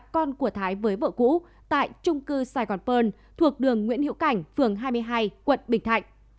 với vợ cũ tại trung cư sài gòn phơn thuộc đường nguyễn hiệu cảnh phường hai mươi hai quận bình thạnh